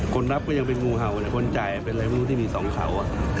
คนรับก็ยังเป็นงูเห่าเลยคนจ่ายเป็นอะไรไม่รู้ที่มีสองเขา